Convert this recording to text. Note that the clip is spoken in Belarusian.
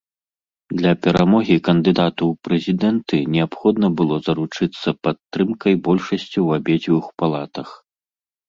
Для перамогі кандыдату ў прэзідэнты неабходна было заручыцца падтрымкай большасці ў абедзвюх палатах.